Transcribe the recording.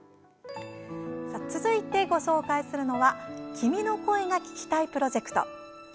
続いてご紹介するのは「君の声が聴きたい」プロジェクト。